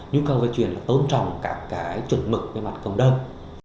nhu cầu về chuyện là tôn trọng các cái chuẩn mực về mặt cộng đồng